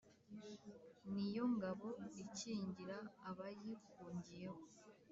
ni yo ngabo ikingira abayihungiyeho